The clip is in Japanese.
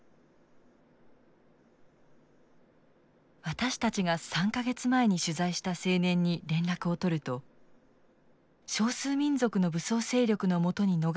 私たちが３か月前に取材した青年に連絡を取ると少数民族の武装勢力のもとに逃れ